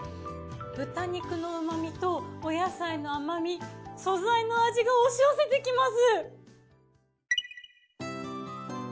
豚肉の旨味とお野菜の甘み素材の味が押し寄せてきます。